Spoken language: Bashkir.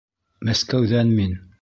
Мәскәүҙән мин